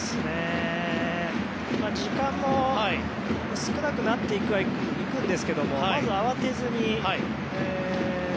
時間も少なくなっていくはいくんですがまず慌てずに。